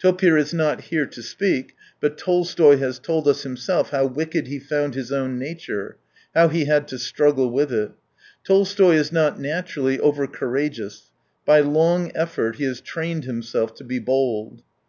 Topir is not here to speak, but Tolstoy has told us himself how wicked he found his own nature, how he had to struggle with it. Tolstoy is nof naturally over courageous ; by long effort he has trained himself to be bold.